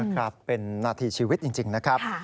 ครับเป็นนาทีชีวิตจริงนะครับ